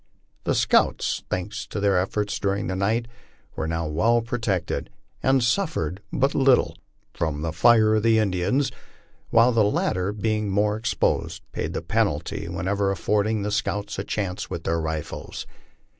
The scouts, thanks to their efforts during the night, were now well protected, and suffered but little from the fire of the Indians, while the latter, being more ex posed, paid the penalty whenever affording the scouts a chance with their rifles.